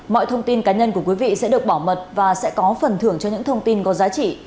mọi thông tin cá nhân của quý vị sẽ được bảo mật và sẽ có phần thưởng cho những thông tin có giá trị